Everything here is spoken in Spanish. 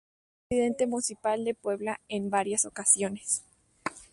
Presidente Municipal de Puebla en varias ocasiones.